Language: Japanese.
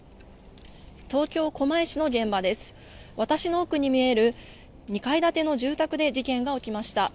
私の奥に見える２階建ての住宅で事件が起きました。